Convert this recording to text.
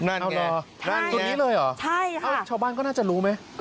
นั่นแหละตรงนี้เลยเหรอชาวบ้านก็น่าจะรู้ไหมใช่ค่ะ